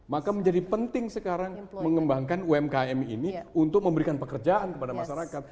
maka menjadi penting sekarang mengembangkan umkm ini untuk memberikan pekerjaan kepada masyarakat